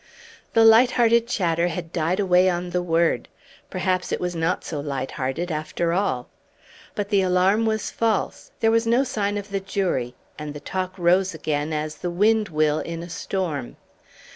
The light hearted chatter had died away on the word; perhaps it was not so light hearted after all. But the alarm was false, there was no sign of the jury, and the talk rose again, as the wind will in a storm.